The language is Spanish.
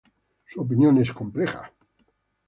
Su opinión es compleja.